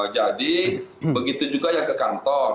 jadi begitu juga yang ke kantor